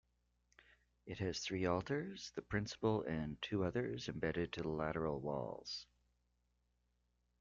It has three altars, the principal and two others embedded to the lateral walls.